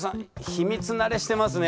秘密慣れしてますね。